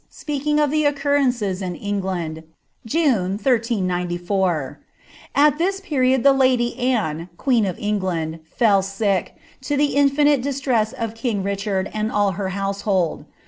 speakiJLg of the occurrences in England, June, 1394 —" At im period the larN' Anne, queen of England, fell sick, to the infinite &akm of king Richard and all her household.